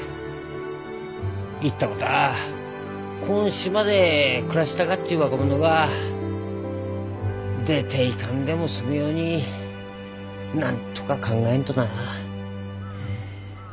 島で暮らしたかっちゅう若者が出ていかんでも済むようになんとか考えんとな。